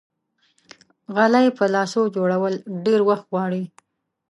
غلۍ په لاسو جوړول ډېر وخت غواړي.